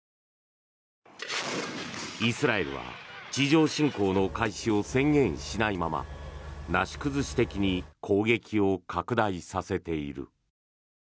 イスラエルは地上侵攻の開始を宣言しないままなし崩し的に攻撃を拡大させている。